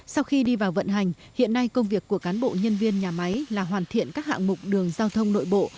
sau khi đi vào vận hành hiện nay công việc của cán bộ nhân viên nhà máy là hoàn thiện các hạng mục đường giao thông nội bộ